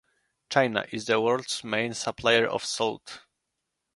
China is the world's main supplier of salt.